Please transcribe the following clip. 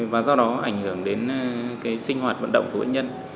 và do đó ảnh hưởng đến sinh hoạt vận động của bệnh nhân